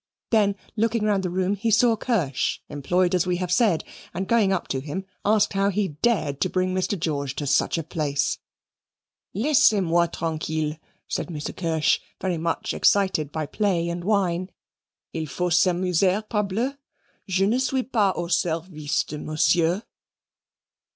Then, looking round the room, he saw Kirsch employed as we have said, and going up to him, asked how he dared to bring Mr. George to such a place. "Laissez moi tranquille," said Mr. Kirsch, very much excited by play and wine. "Il faut s'amuser, parbleu. Je ne suis pas au service de Monsieur."